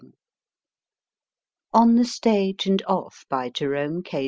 22 I ON THE STAGE AND OFF BY JEROME K.